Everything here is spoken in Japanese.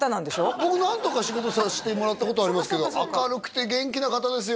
僕何度か仕事させてもらったことありますけど明るくて元気な方ですよ